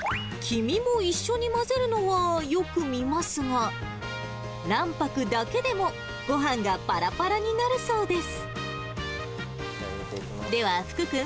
黄身も一緒に混ぜるのはよく見ますが、卵白だけでも、ごはんがぱらぱらになるそうです。